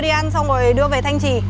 đưa đi ăn xong rồi đưa về thanh trì